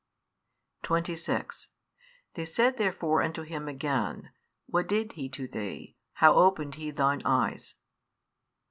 26 They said therefore unto him again, What did He to thee? how opened He thine eyes?